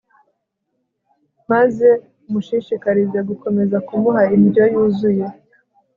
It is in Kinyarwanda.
maze umushishikarize gukomeza kumuha indyo yuzuye